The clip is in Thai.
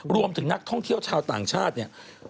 รวมถึงนักท่องเที่ยวชาวต่างชาติเนี่ย